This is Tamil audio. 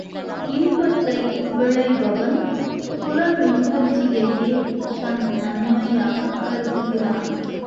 இன்பத்தை விழைபவன் புலன் நுகர்ச்சியையே தன் நன்மையாகக் கருதுகிறான்.